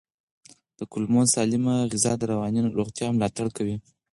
د کولمو سالمه غذا د رواني روغتیا ملاتړ کوي.